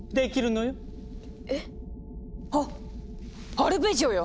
アルペジオよ！